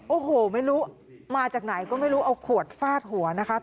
โอ้โหไม่รู้มาจากไหนก็ไม่รู้เอาขวดฟาดหัวนะคะ